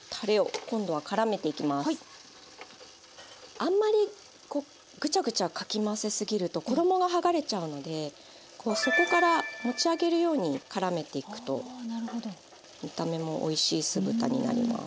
あんまりこうぐちゃぐちゃかき回せ過ぎると衣が剥がれちゃうのでこう底から持ち上げるようにからめていくと見た目もおいしい酢豚になります。